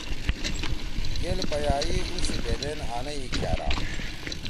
گیل پیَائی اُو سی بھیدین آنئی کھأرا